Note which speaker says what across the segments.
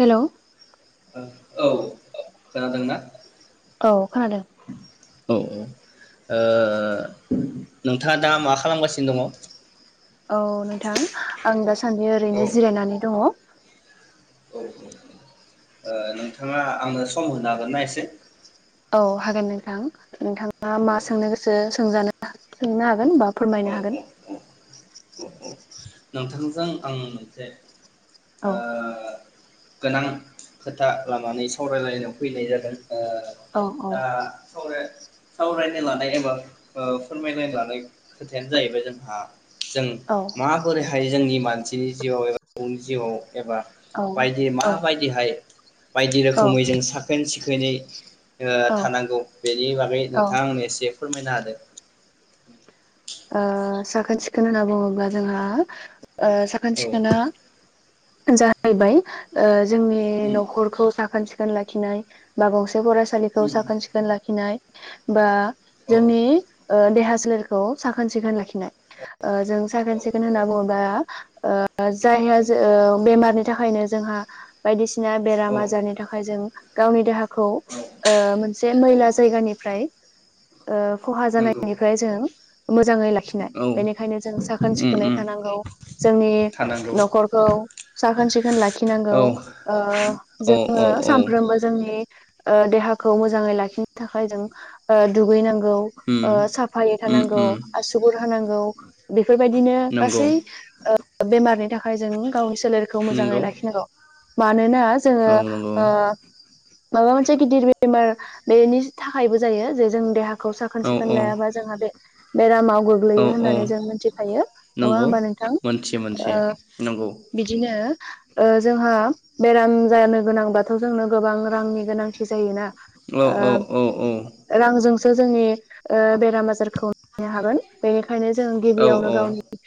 Speaker 1: हेल'
Speaker 2: ओ औ खोनादोंना?
Speaker 1: औ खोनादों।
Speaker 2: औ औ ओ नोंथाङा दा मा खालामगासिनो दङ?
Speaker 1: औ नोंथां आं दास सान्दि
Speaker 2: औ
Speaker 1: ओरैनो जिरायनानै दङ।
Speaker 2: औ ओ नोंथाङा आंनो सम होनो हागोनना एसे?
Speaker 1: औ हागोन नोंथां नोंथाङा
Speaker 2: औ
Speaker 1: मा सोंनो गोसो सोंजानो सोंनो हागोन बा
Speaker 2: औ
Speaker 1: फोरमायनो
Speaker 2: औ
Speaker 1: हागोन।
Speaker 2: औ औ औ नोंथांजों आं मोनसे ओ
Speaker 1: औ
Speaker 2: गोनां खोथा लानानै सावरायलायनायाव फैनाय जादों। ओ
Speaker 1: औ औ
Speaker 2: दा सावराय सावरायनो लानाय एबा ओ फोरमायनो लानाय खोथायानो जाहैबाय जोंहा जों
Speaker 1: औ
Speaker 2: मा हायो जोंनि मानसिनि जिउआव एबा [unintelligible] जिउआव एबा
Speaker 1: औ
Speaker 2: बायदि माबायदिहाय बायदि
Speaker 1: औ
Speaker 2: रोखोमै जों साखोन सिखोन खोनै ओ
Speaker 1: औ
Speaker 2: थानांगौ बेनि बागै नोंथाङा आंनो एसे फोरमायना होदो।
Speaker 1: ओ साखोन सिखोन होनना बुङोब्ला जोंहा ओ साखोन
Speaker 2: औ
Speaker 1: सिखोना जाहैबाय ओ जोंनि
Speaker 2: उम
Speaker 1: न'खरखौ साखोन सिखोन खोन लाखिनाय बाबावोसो बे फरायसालिखौ
Speaker 2: उम
Speaker 1: साखोन सिखोन लाखिनाय बा
Speaker 2: औ
Speaker 1: जोंनि ओ देहा सो लेरखौ साखोन सिखोन लाखिनाय ओ जों साखोन
Speaker 2: औ
Speaker 1: सिखोन होनना बुङोबा ओ जायहा जो ओ बेमारनि थाखायनो जोंहा बायदिसि ना
Speaker 2: औ
Speaker 1: बेराम आजारनि थाखाय जों गावनि देहा खौ
Speaker 2: औ
Speaker 1: ओ मोनसे
Speaker 2: औ
Speaker 1: मैला जायगानिफ्राय ओ खहा
Speaker 2: नंगौ
Speaker 1: जानायनिफ्राय जों मोजाङै लाखिनाय
Speaker 2: औ
Speaker 1: बेनिखायनो जों साखोन
Speaker 2: उम
Speaker 1: सिखोनै
Speaker 2: उम
Speaker 1: थानांगौ जोंनि
Speaker 2: थानांगौ
Speaker 1: न'खरखौ साखोन सिखोन लाखिनांगौ
Speaker 2: औ
Speaker 1: ओ
Speaker 2: औ
Speaker 1: जोंङो
Speaker 2: औ औ
Speaker 1: सानफ्रोमबो जोंनि ओ देहाखौ मोजाङै लाखिनो थाखाय जों ओ दुगैनांगौ
Speaker 2: उम
Speaker 1: ओ साफायै
Speaker 2: उम
Speaker 1: थानांगौ।
Speaker 2: उम
Speaker 1: आसुगुर होनांगौ बेफोरबायदिनो
Speaker 2: नंगौ
Speaker 1: गासै ओ बेमारनि थाखा खाय जों गावसि सोलेरखौ मोजाङै
Speaker 2: नंगौ
Speaker 1: लाखिनांगौ। मानोना जोंङो
Speaker 2: औ नंगौ
Speaker 1: ओ माबा मोनसे गिदिर बेमार बेनि थाखायबो जायो जे जों देहा खौ
Speaker 2: औ
Speaker 1: साखोन सिखोन लायाबा जोंहा बे बेरामाव
Speaker 2: औ
Speaker 1: गोग्लैयो
Speaker 2: औ
Speaker 1: होननानै जों मिथिफायो नङा
Speaker 2: नंगौ
Speaker 1: होमबा नोंथां
Speaker 2: मोनथियो मोनथियो
Speaker 1: ओ
Speaker 2: नंगौ
Speaker 1: बिदिनो ओ जोंहा बेराम जानो गोनांबाथ' जोंनो गोबां रांनि गोनांथि जायोना
Speaker 2: औ औ औ औ
Speaker 1: सो जोंनि ओ बेराम आजारखौ नो हागोन बे खायनो जों
Speaker 2: औ
Speaker 1: गिबियावनो गावनि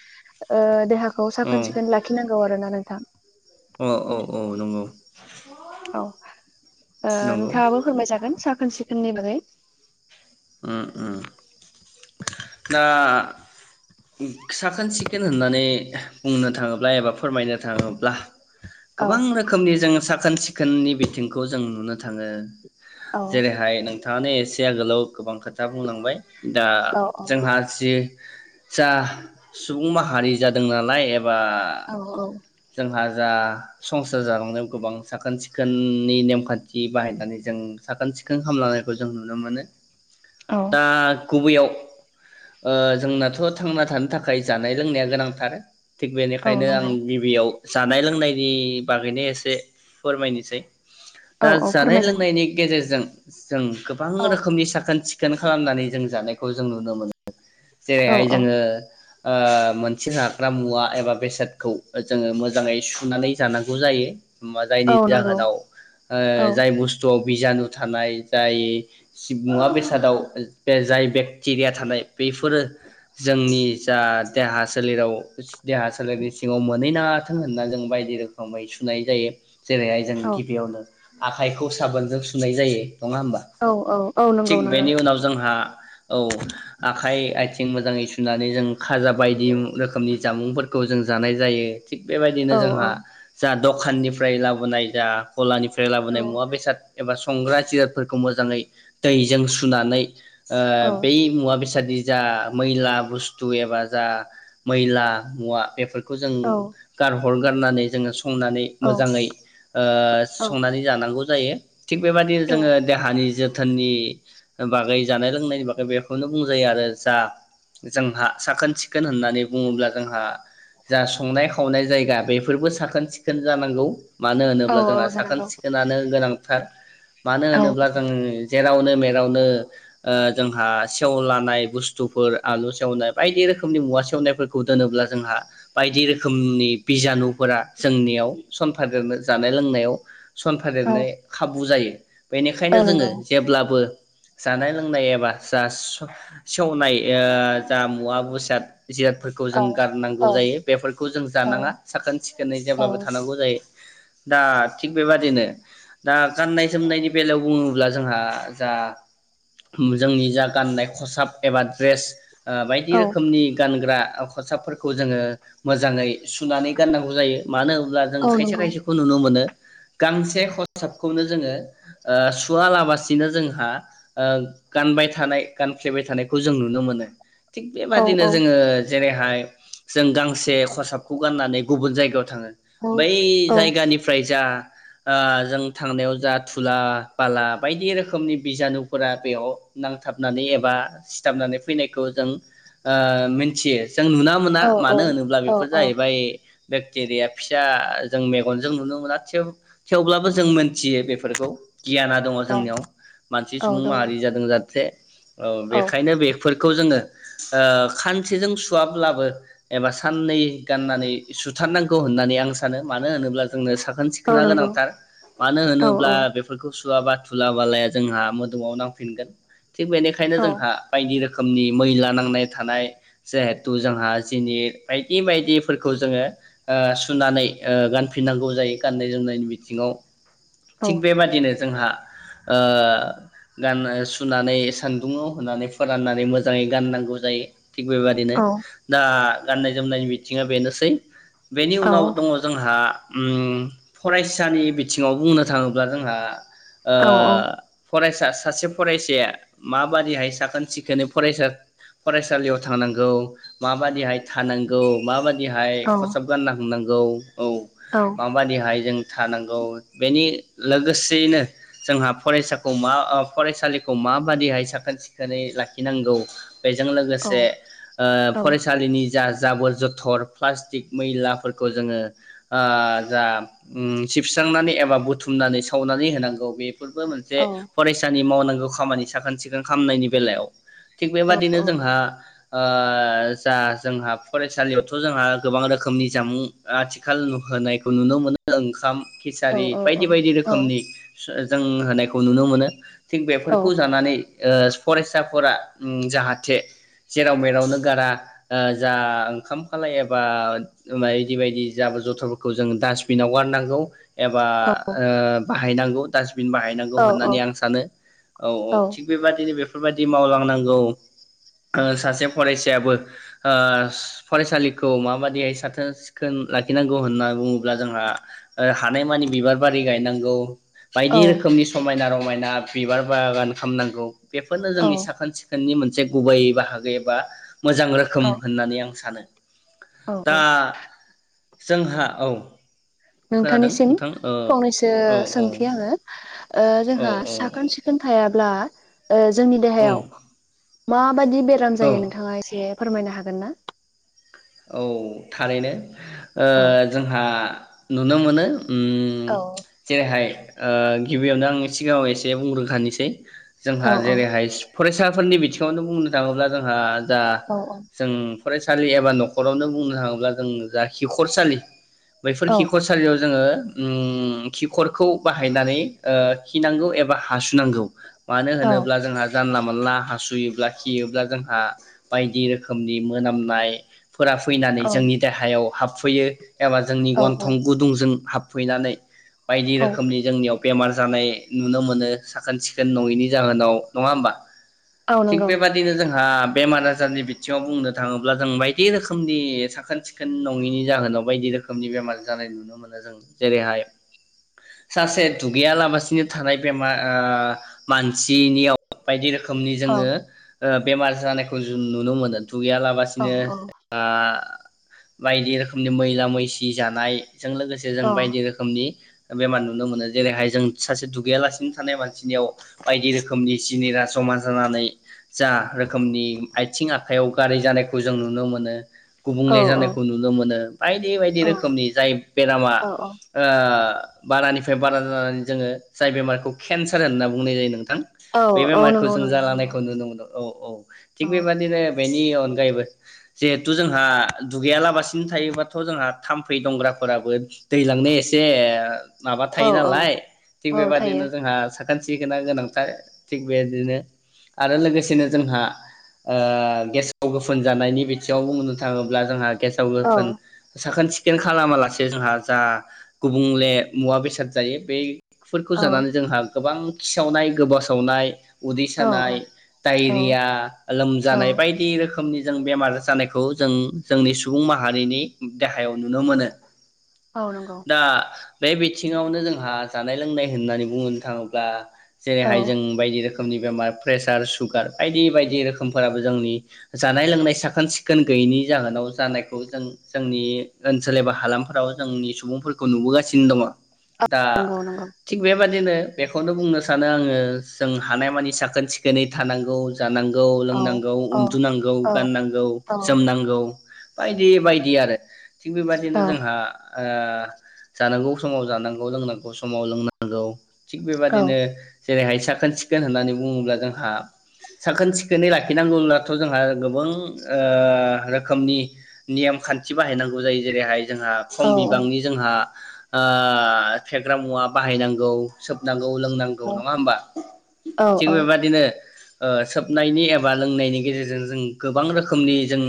Speaker 1: ओ देहा खौ
Speaker 2: औ
Speaker 1: साखोन सिखोन लाखिनांगौ आरो ना नों
Speaker 2: औ औ औ नंगौ [unintelligible]
Speaker 1: औ ओ
Speaker 2: नंगौ
Speaker 1: नोंथाङाबो फोरमायजागोन साखोन सिखोननि गै
Speaker 2: उम उम दा साखोन सिखोन होननानै बुंनो थाङोब्ला एबा फोरमायनो थाङोब्ला
Speaker 1: औ
Speaker 2: गोबां रोखोमनि जों सा खोन सिखोननि बिथिंखौ जों नुनो थाङो।
Speaker 1: औ
Speaker 2: जेरैहाय नोंथ थांङानो एसे आगोलाव गोबां खोथा बुंलांबाय। दा
Speaker 1: औ
Speaker 2: जोंहा जि जा सुबुं माहारि जादों नालाय एब बा
Speaker 1: औ औ
Speaker 2: जोंहा जा संसार जालांनायाव गोबां साखोन सिखोननि नेमखान्थि बाहायनानै जों साखोन सिखोन खालामलांनायखौ जों नुनो मोनो।
Speaker 1: औ
Speaker 2: दा गुबैयाव ओ जोंनाथ' थांना थानो थाखाय जानाय लोंनाया गोनांथार। थिग
Speaker 1: औ
Speaker 2: बेनिखायनो आं
Speaker 1: नंगौ
Speaker 2: गिबियाव जानाय लोंनायनि बागैनो एसे फोरमायनोसै। दा
Speaker 1: औ औ
Speaker 2: जानाय
Speaker 1: फोरमायजागोन
Speaker 2: लोंनायनि गेजेरजों [inaudible] जों गोबां
Speaker 1: औ
Speaker 2: रोखोमनि सा खोन सिखोन खालामनानै जों जानायखौ जों नुनो मोनो।
Speaker 1: औ
Speaker 2: जेरैहाय
Speaker 1: औ
Speaker 2: जोङो ओ मोनसे जाग्रा मुवा एबा बेसादखौ जोङो मोजाङै सुनानै जानांगौ जायो। मा जायनि
Speaker 1: औ नंगौ
Speaker 2: जाहोनाव ओ
Speaker 1: औ
Speaker 2: जाय बुस्थुआव बिजानु थानाय जाय [unintelligible] मुवा बेसादाव बे जाय बेक्टेरिया थानाय बेफोरो जोंनि जा देहा सोलेराव देहा सोलेरनि सिङाव मोनहैनाथों होनना जों बायदि रोखोमै सुनाय जायो। जेरैहाय जों
Speaker 1: औ
Speaker 2: गिबियावनो आखाइखौ साबोनजों सुनाय जायो। नङा होमबा
Speaker 1: औ औ औ नं
Speaker 2: थिग बेनि उनाव जों जोंहा औ आखाइ आयथिं मोजाङै सुनानै जों खाजा बायदि रोखोमनि जामुंफोरखौ जों जानाय जायो। थिग बेबायदिनो
Speaker 1: औ औ
Speaker 2: जोंहा जा दखाननिफ्राय लाबोनाय जा गलानिफ्राय [unintelligible]
Speaker 1: औ
Speaker 2: लाबोनाय मुवा बेसाद [unintelligible] एबा संग्रा जिरतफोरखौ मोजाङै दैजों सुनानै ओ
Speaker 1: औ
Speaker 2: बै मुवा बेसाद। [unintelligible] जा मैला बुस्थु एबा जा मैला मुवा बेफो खौ जों
Speaker 1: औ
Speaker 2: गार हरगारनानै जोङो स संनानै
Speaker 1: औ
Speaker 2: मोजाङै ओ संनानै जानांगौ। जायो। थिग बेबायाददिनो
Speaker 1: औ
Speaker 2: जोङो देहानि जोब थोननि बागै जानाय-लोंनायनि बागै बेखौनो बुंजायो आरो जा जोंहा साखोन-सिखोन होननानै बुङोब्ला जोंहा जा संनाय-खावनाय जायगा बेफोरबो साखोन-सिखोन जानांगौ। मानो
Speaker 1: औ
Speaker 2: होनोब्ला
Speaker 1: औ
Speaker 2: जोंहा साखोन
Speaker 1: जानांगौ
Speaker 2: सिखोनानो गोनांथार मानो
Speaker 1: औ
Speaker 2: होनोब्ला जों जेरावनो मेरावनो ओ जोंहा सेवलानाय बुस्थुफोर आलु सेवनाय बायदि रोखोमनि मुवा सेवनायफोरखौ दोनोब्ला जोंहा बायदि रोखोमनि बिजानु फोरा जोंनियाव सनफा देरनो जानाय-लोंनायाव सनफा
Speaker 1: औ
Speaker 2: देरनाय खाबु जायो।
Speaker 1: औ
Speaker 2: बेनिखायनो जोङो
Speaker 1: नंगौ
Speaker 2: जेब्लाबो जानाय लोंनाय एबा जा स सेवनाय ओ जा मुवा बेसाद जिरादफोरखौ
Speaker 1: औ
Speaker 2: जों
Speaker 1: औ
Speaker 2: गारनांगौ जायो बेफोरखौ जों जानाङा साखोन सिखोनै
Speaker 1: औ
Speaker 2: जेब्लाबो थानांगौ जायो। दा थिग बेबादिनो दा गान्नाय-जोमनायनि बेलायाव बुङोब्ला जोंहा जा होम जोंनि जा गाननाय खसाब एबा द्रेस ओ बायदि
Speaker 1: औ
Speaker 2: रोखोमनि गान ग्रा खसाबफोरखौ जोङो मोजाङै सुनानै गाननांगौ जायो। मानो होब्ला जों
Speaker 1: औ
Speaker 2: खायसे
Speaker 1: नंगौ
Speaker 2: खायसेखौ नुनो मोनो। गांसे खरसाबखौनो जोङो ओ सु सुवालाबसिनो जोंहा ओ गानबाय थानाय गानफ्लेबाय थानायखौ जों नुनो मोनो। थिग
Speaker 1: औ औ
Speaker 2: बेबादिनो जोङो जेरैहाय जों गांसे खसाबखौ गाननानै गुबुन जायगायाव थाङो
Speaker 1: औ
Speaker 2: बै
Speaker 1: औ
Speaker 2: जायगानिफ्राय जा ओ जों थांनायाव जा धुला बाला बायदि रोखोमनि बिजानुफोरा बेयाव नांथाबनानै एबा सिथाबनानै फैनायखौ जों ओ मिन्थियो। जों नुना मोना
Speaker 1: औ
Speaker 2: मानो होनोब्ला बेफोर जाहैबाय बेक्टेरिया फिसा जों मेगनजों नुनो मोना थेव थेवब्लाबो जों मोनथियो बेफोरखौ। गियाना दङ
Speaker 1: औ
Speaker 2: जोंनियाव मानसि
Speaker 1: औ
Speaker 2: सुबुं
Speaker 1: दं
Speaker 2: माहारि जादों जाहाथे। औ बेखायनो बेफोरखौ जोङो ओ खानसेजों सुवाब्लाबो एबा साननै गाननानै सुथारनांगौ होननानै आं सानो मानो होनोब्ला ज जोंनो साखोन
Speaker 1: औ
Speaker 2: सिखोना
Speaker 1: नंगौ
Speaker 2: गोनांथार मानो
Speaker 1: औ
Speaker 2: होनोब्ला बे सुवाबा दुला बालाया जोंहा मोदोमाव नांफिनगोन थिग
Speaker 1: औ
Speaker 2: बेनिखायनो जोंहा बायदि रोखो रोखोमनि मैला नांनाय थानाय जेहेथु जोंहा जिनिर बायदि बायदिफोरखौ जोङो ओ सुनानै ओ गानफिननांगौ जायो गाननाय जोमनायनि बिथिङाव थिग बेबाद जोंहा ओ गाननो सुनानै सान्दुंङाव होननानै फोराननानै मोजाङै गाननांगौ जायो थिग बेबायादिनो दा गाननाय जोमनायनि मिथिङा बेनोसै बेनि
Speaker 1: औ
Speaker 2: उनाव दङ जोंहा उम फरायसानि बिथिङाव बुंनो थाङोब्ला जोंहा ओ
Speaker 1: औ
Speaker 2: फरायस दा सा सासे फरायसाया माबादिहाय साखोन सिखोनै फरासा फरायसालियाव थांनांगौ माबाददिहाय थानांगौ माबाद दि
Speaker 1: औ
Speaker 2: हाय खसाब गानना होनां गौ औ माबादिहाय जों थानांगौ बेनि लोगोस थियैनो जोंहा फरायसाखौ मा ओ फरायसालिखौ माबादिहाय साखोन सिखोनै लाखिनांगौ बेजों लोगोसे ओ फरायसालिनिज जा जाबोर जथर प्लास्टिक मैलाफोरखौ जोङो ओ जा उम सिबस्रांनानै एबा बुथुमनानैस खावनानै होनांगौ बेब फोरबो मोनसे
Speaker 1: औ
Speaker 2: फरायसानि मावनां गौ खामानि साखोन सिखोन खालामामनायनि बेलायाव। थिग
Speaker 1: औ
Speaker 2: बेबादिनो
Speaker 1: औ
Speaker 2: जोंहा ओ जा जोंहा फरायसालियावथ' जोंहा गोबां रोखोमनि जामुं आथिखाल होनायखौ नुनो मोनो ओंखाम
Speaker 1: औ
Speaker 2: खिसारि
Speaker 1: औ
Speaker 2: बायदि बायदि
Speaker 1: औ
Speaker 2: रोख खोमनि सुआज जों होनायखौ नुनो मोनो थिग
Speaker 1: औ
Speaker 2: बेफोरखौ जानानै‌ ओस फरायसाफोरा उम जाहाथे जेराव मेरावनो गारा ओ जा ओंखाम खालाय एबा बिदि बायदि जाबो जथनफोरखौ जोंङो डास्टबिनाव गारनांगौ एबा
Speaker 1: औ
Speaker 2: ओ बाहायनांगौ दास बिन बाहायनांगौ
Speaker 1: औ
Speaker 2: होननानै आं सानो औ औ थिग बिबादिनो बेफ फोरबायाददि मावलांनांगौ ओ सासे फरायसायाबो ओस फरायसालिखौ माबाददिहाय साथोन सिखोन लाखिनांगौ होनना बुङोब्ला जोंहा ओ हानायमानि बिबार बारि गायनांगौ। [inaudible]
Speaker 1: औ
Speaker 2: बायदि रोखोमनि समायना रम मायना बिबार बागान खालामनांगौ। बेफोरनो
Speaker 1: औ
Speaker 2: जोंनि साखोन सिखोननि मोनस से गुबै बाहागोबा एबा। मोजां रोखोम होननानै आं सानो। दा। जोंहा औ खोनादों
Speaker 1: नोंथांनिसिम
Speaker 2: नोंथां ओ
Speaker 1: फंनैसो
Speaker 2: औ औ
Speaker 1: सोंथि आंङो
Speaker 2: औ
Speaker 1: जोंहा साखोन सिखोन था ब्ला जोंनि देहायाव मा माबादि बेराम
Speaker 2: औ
Speaker 1: जायो
Speaker 2: औ
Speaker 1: नोंथाङा एसे फोरमायनो हागोन ना
Speaker 2: औ थारैनो ओ
Speaker 1: औ
Speaker 2: जोंहा नुनो मोनो
Speaker 1: औ
Speaker 2: जेरैहाय गिबियावनो आं सिगाङाव एसे बुंग्रोखानोसै जोंहा
Speaker 1: औ औ
Speaker 2: जेरैहाय फरायसाफोरनि बिथिङावनो बुंनो थांङोब्ला जोंहा दा
Speaker 1: औ
Speaker 2: जों फरायसालि एबा नखर नखरावनो बुंनो थांङोब्ला जों जा खिखरसालि बैफोर
Speaker 1: औ
Speaker 2: खिखर सारियाव जोंङो ओ खिखरखौ बाहायनानै खिनांगौ एबा हासुनांगौ मानो
Speaker 1: औ
Speaker 2: होनोब्ला जोंहा जानला मोनला हासुयोब्ला खियोब्ला जोंहा बायदि रोखोमनि मोनामनाय फोर फैनानै जोंनि देहायाव हाब फैयो एबा जोंनि
Speaker 1: औ
Speaker 2: गन्थं गुदुंजों हाब फैनानै बायदि
Speaker 1: औ
Speaker 2: रोखोमनि जोंनियाव बेमार जानाय नुनो मोनो साखोन सिखोन नङयिनि जाहोनाव नङा होमबा
Speaker 1: औ
Speaker 2: थिग
Speaker 1: नंगौ
Speaker 2: बेबादिनो जोंहा बेमारा बारनि बिथिङाव बुंनो थांङोब्ला जों बाय बायदि रोखोमनि साखोन सिखोन नंङिनि जाहोनाव बायदि रोखोमनि बेमार जानाय नुनो मोनो जों जेरैहाय सासे दुगैया लासिनो थानाय बेमार मानसिनियाव बायदि रोखोम रोखोमनि
Speaker 1: औ
Speaker 2: जोंङो ओ बेमार जानायखौ जों नुनो मोनो
Speaker 1: औ
Speaker 2: दुगैयालाबासिनो
Speaker 1: औ
Speaker 2: ओ बायदि रोखोमनि मैला मैसि जानाय बेजों लोगोसे जों
Speaker 1: औ
Speaker 2: बायदि रोखोमनि बेमार नुनो मोनो जेरैहाय जों सासे दुगैयालासिनो थानाय मानसिनियाव बायदि रोखोमनि जिनिरा जमा जानानै जा रोखोमनि आथिं-आखाइयाव गाराय जानायखौ जों नुनो मो नो
Speaker 1: औ
Speaker 2: गुबुंले जानायखौ नुनो मोनो बायदि बायदि रोखोमनि जाय बेरामा
Speaker 1: औ
Speaker 2: ओ बारानिफ्राय बारा जानानै जोङो जाय बेमारखौ केन्सार होनना बुंनाय जायो नों थां
Speaker 1: औ
Speaker 2: बे
Speaker 1: औ
Speaker 2: बेमारखौ
Speaker 1: नंगौ
Speaker 2: जों
Speaker 1: नंगौ नंगौ
Speaker 2: जालानायखौ नुनो मोनदों। औ औ
Speaker 1: औ
Speaker 2: थिग बेबादिनो बेनि अनगायैबो जिहेथु जोंहा दुगैयालाबसिनो थायोबाथ' जोंहा थाम्फै दंग्राफोराबो दैलांनो एसे माबा
Speaker 1: औ
Speaker 2: थायो
Speaker 1: औ
Speaker 2: नालाय थिग
Speaker 1: औ थायो
Speaker 2: बेबादिनो जोंहा खान्थि गोनां-गोनांथार थिग बेबायदिनो आरो लोगोसेनो जोंहा ओ गेसाव-गोफोन जानायनि बि खाथियाव बुंनो थाङोब्ला जोंहा
Speaker 1: औ
Speaker 2: गेसाव-गोफोन साखोन-सि खोन खालामालासे जोंहा जा गुबुंले मुवा बेसाद जायो, बै फोरखौ
Speaker 1: औ
Speaker 2: जानानै जोंहा गोबां खिसावनाय, गोबा उदै
Speaker 1: औ
Speaker 2: सानाय,
Speaker 1: औ
Speaker 2: डायरिया
Speaker 1: औ
Speaker 2: लोमजानाय बायदि रोखोम नि जों बेमार जानायखौ जों जोंनि सुबुं माहारिनि देहायाव नुनो मोनो।
Speaker 1: औ नंगौ
Speaker 2: दा बे बिथिङावनो जोंहा जानाय लोंनाय होननानै बुंनो थाङोब्ला
Speaker 1: औ
Speaker 2: जेरैहाय जों बायदि रोखोम नि बेमार प्रेसार, सुगार बायदि बायदि रोखोमफोराबो जोंनि जानाय लोंनाय, साखोन-सि खोन गैयैनि जाहोनाव जानायखौ जों-जोंनि ओनसोल एबा हालामफोराव जोंनि सुबुंफोरखौ नुबोगासिनो दङ। दा
Speaker 1: नंगौ नंगौ
Speaker 2: थिग बेबादिनो बेखौनो बुंनो सानो आङो जों हानायमानि साखो- सिखोनै थानांगौ जानांगौ,
Speaker 1: औ
Speaker 2: लोंनांगौ,
Speaker 1: औ
Speaker 2: उन्दुनांगौ,
Speaker 1: औ
Speaker 2: गाननांगौ
Speaker 1: औ
Speaker 2: जोमनांगौ बायदि बायदि आरो थिग
Speaker 1: औ
Speaker 2: बेबादिनो जोंहा ओ जानांगौ समाव जानांगौ, लोंनांगौ समाव लोंनांगौ थिग
Speaker 1: औ
Speaker 2: बेबादिनो जेरैहाय साखोन सिखोन होननानै बुङोब्ला जोंहा साखोन सिखोनै लाखिनांगौब्लाथ' जोंहा गोबां रोखोमनि नियाम खान्थि बाहायनांगौ जायो जेरैहाय जोंहा खम
Speaker 1: औ
Speaker 2: बिबांनि जोंहा फेग्रा मुवा बाहायनांगौ सोबनांगौ लोंनांगौ नङा होनबा
Speaker 1: औ
Speaker 2: थिग बेबादिनो सोबनायनि एबा लोंनायनि गेजेरजों जों गोबां रोखोम रोखोमनि जों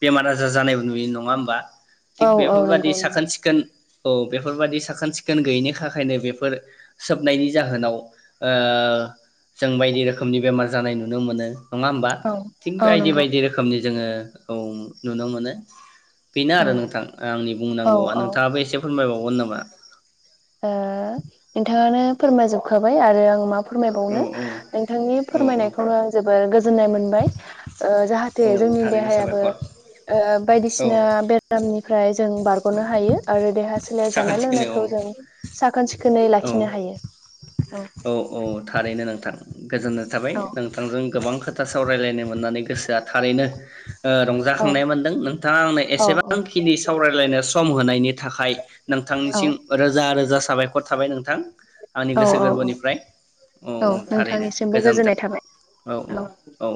Speaker 2: बेमार आजार जानाय नुयो नङा होमबा
Speaker 1: औ
Speaker 2: थिग
Speaker 1: औ
Speaker 2: बेफोरबायदि
Speaker 1: नंगौ नंगौ
Speaker 2: साखोन सिखोन औ बेफोरबायाददि साखोन सिखोन गैयिनि थाखायनो बेफोर सोबनायनि जाहोनाव जों बायदि रोखोमनि बेमार जानाय नुनो मोनो नङा होमबा
Speaker 1: औ
Speaker 2: थिग
Speaker 1: औ
Speaker 2: बायदि
Speaker 1: नंगौ
Speaker 2: बायदि रोखोम जोङो औ नुनो मोनो बेनो
Speaker 1: औ
Speaker 2: आरो नोंथां आंनि
Speaker 1: औ
Speaker 2: बुंनांगौआ
Speaker 1: औ
Speaker 2: नोंथाङाबो एसे फोरमायबाव [unintelligible]
Speaker 1: ओ नोंथाङानो फोरमायजोबखाबाय आरो आं मा
Speaker 2: औ
Speaker 1: फोरमायबावनो
Speaker 2: औ
Speaker 1: नोंथांनि
Speaker 2: औ
Speaker 1: फोरमायनायखौनो आं जोबोर गोजोननाय मोनबाय जाहाथे
Speaker 2: औ
Speaker 1: जोंनि
Speaker 2: थारैनो
Speaker 1: देहायाबो
Speaker 2: साबायखर औ
Speaker 1: बायदिसिना बेरामनिफ्राय जों बारग'नो हायो आरो देहा
Speaker 2: साखोन
Speaker 1: जानाय
Speaker 2: सिखोनै
Speaker 1: लोंनायखौ जों
Speaker 2: औ
Speaker 1: खोनै
Speaker 2: औ
Speaker 1: लाखिनो हायो
Speaker 2: औ औ थारैनो नोंथां गोजोननाय थाबाय
Speaker 1: औ
Speaker 2: नोंथांजों गोबां खोथा सावरायलायनाय मोननानै गोसोआ थारैनो
Speaker 1: औ
Speaker 2: रंजाखांनाय मोनदों नोंथाङा आंनो
Speaker 1: औ
Speaker 2: एसेबांखिनि सावरायलायनो सम होनायनि थाखाय नोंथांनिसिम रोजा रोजा साबायखर थाबाय नोंथां आंनि
Speaker 1: औ
Speaker 2: गोसो
Speaker 1: औ
Speaker 2: गोरबोनि
Speaker 1: औ
Speaker 2: औ औ थारैनो
Speaker 1: नोंथांनिसिमबो
Speaker 2: गोजानथों
Speaker 1: गोजोननाय थाबाय
Speaker 2: औ औ औ